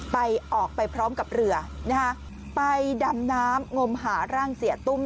ไปออกไปพร้อมกับเรือนะฮะไปดำน้ำงมหาร่างเสียตุ้ม